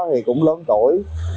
thì cũng lớn tuổi